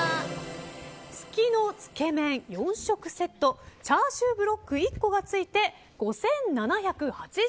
月のつけ麺、４食セットチャーシューブロックが付いて５７８０円。